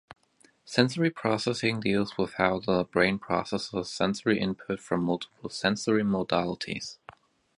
Sensory processing deals with how the brain processes sensory input from multiple sensory modalities.